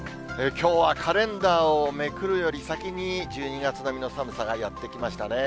きょうはカレンダーをめくるより先に、１２月並みの寒さがやって来ましたね。